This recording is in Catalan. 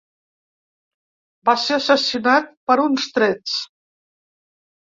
Va ser assassinat per uns trets.